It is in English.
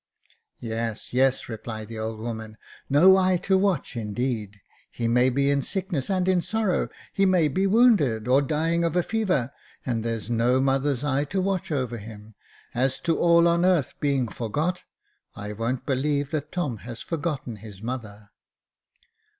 Yes, yes," replied the old woman ;*' no eye to watch, indeed. He may be in sickness and in sorrow ; he may be wounded, or dying of a fever ; and there's no mother's eye to watch over him. As to all on earth being forgot, I won't believe that Tom has forgotten his mother."